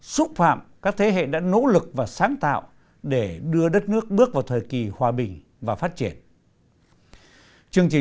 xin chào và hẹn gặp lại